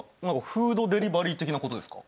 フードデリバリー的なことですか？